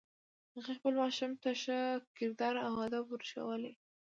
هغې خپل ماشوم ته ښه کردار او ادب ور ښوولی